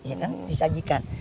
yang kan disajikan